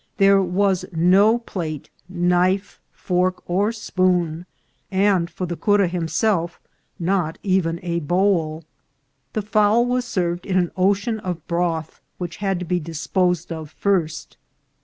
There was no plate, knife, fork, or spoon, and for the cura himself not even a bowl. The fowl was served in an ocean of broth, which had to be disposed of first.